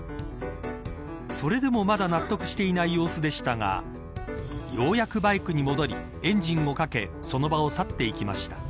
それでもまだ納得していない様子でしたがようやくバイクに戻りエンジンをかけその場を去っていきました。